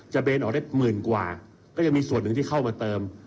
เบนออกได้หมื่นกว่าก็ยังมีส่วนหนึ่งที่เข้ามาเติม